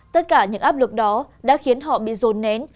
tất cả những áp lực đó đã khiến họ bị rồn nén